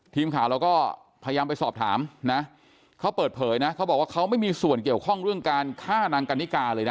ทีมข่าวเราก็พยายามไปสอบถามนะเขาเปิดเผยนะเขาบอกว่าเขาไม่มีส่วนเกี่ยวข้องเรื่องการฆ่านางกันนิกาเลยนะ